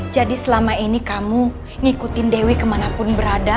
jadi selama ini kamu ngikutin dewi kemana pun berada